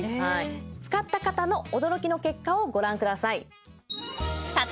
使った方の驚きの結果をご覧ください